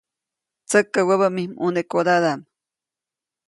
Tsäkä wäbä mij ʼmunekodadaʼm.